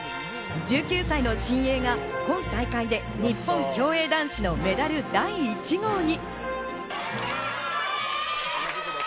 １９歳の新鋭が今大会で日本競泳男子のメダル第１号に。